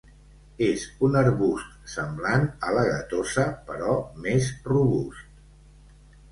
És un arbust semblant a la gatosa però més robust.